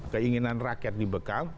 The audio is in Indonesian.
keinginan rakyat dibekam